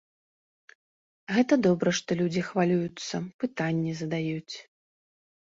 Гэта добра, што людзі хвалююцца, пытанні задаюць.